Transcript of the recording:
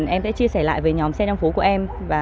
em sẽ chia sẻ lại với nhóm sen trong phố của em